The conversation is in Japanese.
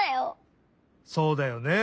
そうだよね。